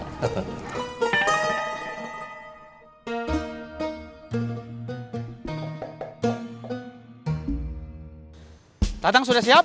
tidak ada yang bisa ikut senam